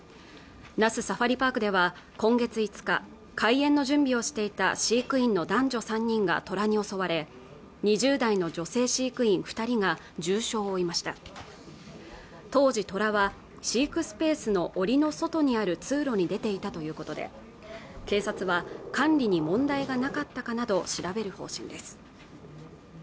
那須サファリパークでは今月５日開園の準備をしていた飼育員の男女３人が虎に襲われ２０代の女性飼育員二人が重傷を負いました当時トラは飼育スペースの檻の外にある通路に出ていたということで警察は管理に問題がなかったかなど調べる方針です